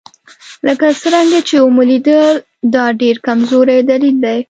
لکه څرنګه چې ومو لیدل دا ډېر کمزوری دلیل دی.